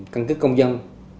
căn cứ công dân